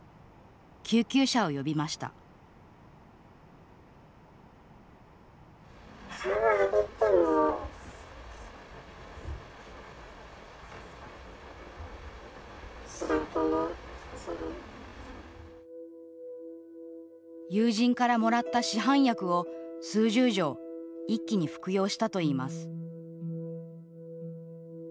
救急車を呼びました友人からもらった市販薬を数十錠一気に服用したといいます。